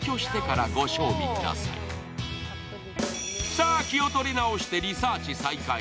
さぁ、気を取り直してリサーチ再開。